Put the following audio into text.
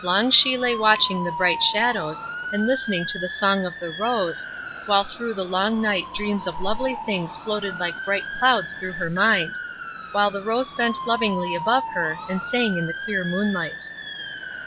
Long she lay watching the bright shadows, and listening to the song of the rose, while through the long night dreams of lovely things floated like bright clouds through her mind; while the rose bent lovingly above her, and sang in the clear moonlight.